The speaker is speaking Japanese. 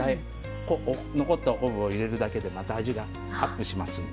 残ったお昆布を入れるだけでまた味がアップしますんで。